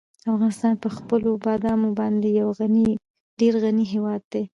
افغانستان په خپلو بادامو باندې یو ډېر غني هېواد دی.